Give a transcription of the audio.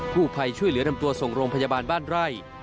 ผู้ภัยช่วยเหลือนำตัวส่งโรงพยาบาลบ้านไร่